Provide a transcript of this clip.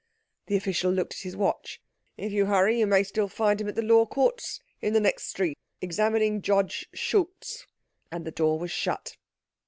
The official looked at his watch. "If you hurry you may still find him at the Law Courts. In the next street. Examining Judge Schultz." And the door was shut.